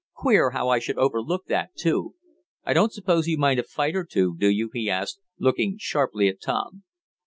"Queer, how I should overlook that, too. I don't suppose you mind a fight or two; do you?" he asked, looking sharply at Tom.